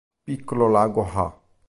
Piccolo lago Ha!